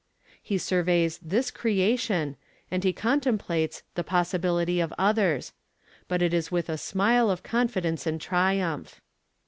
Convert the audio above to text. He surveys this Creation and he contemplates the Possibility of Others; but it is with a smile of confidence and triumph.